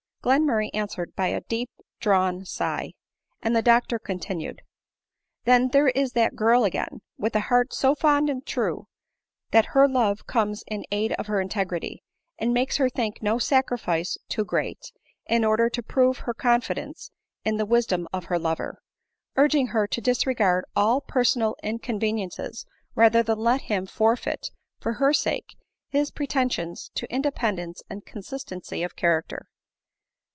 Glenmurray answered by a deep drawn sigh ; and the doctor continued ;" Then there is that girl again, with a heart so fond and true, that her love comes in aid of her 2 integrity, and makes her think no sacrifice too great, in / order to prove her confidence in the wisdom of her lover — urging her to disregard all personal inconveniences rather than let him forfeit, for her sake, his pretensions to independence and consistency of character